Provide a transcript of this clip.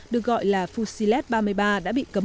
được gọi là fucilet ba mươi ba đã bị cấm